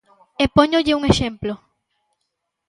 E póñolle un exemplo.